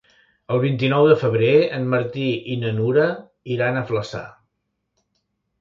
El vint-i-nou de febrer en Martí i na Nura iran a Flaçà.